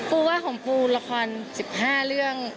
ปูว่าของปูละคร๑๕เรื่อง